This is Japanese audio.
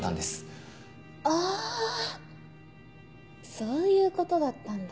そういうことだったんだ。